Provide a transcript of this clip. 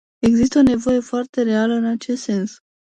Există o nevoie foarte reală în acest sens.